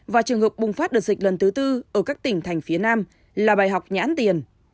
và trường hợp bùng phát đợt dịch lần thứ tư ở các tỉnh thành phía nam là bài học nhãn tiền